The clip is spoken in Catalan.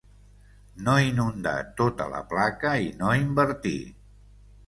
No inundar tota la placa i no invertir.